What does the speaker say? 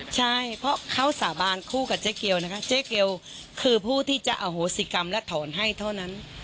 ใช่เพราะเขาสาบานคู่กับเจ๊เกียวนะคะเจ๊เกียวคือผู้ที่จะอโหสิกรรมและถอนให้เท่านั้น